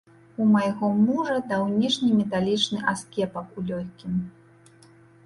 У майго мужа даўнішні металічны аскепак ў лёгкім.